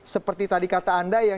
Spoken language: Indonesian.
seperti tadi kata anda